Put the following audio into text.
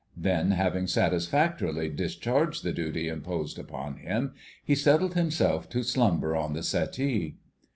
Then, having satisfactorily discharged the duty imposed upon him, he settled himself to slumber on the settee.